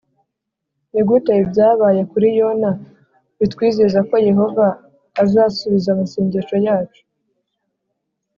Ni gute ibyabaye kuri Yona bitwizeza ko Yehova azasubiza amasengesho yacu?